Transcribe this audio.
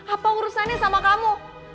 apa urusannya sama kamu